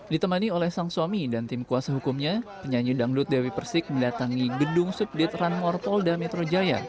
ditemani oleh sang suami dan tim kuasa hukumnya penyanyi dangdut dewi persik mendatangi gedung subdit ranmor polda metro jaya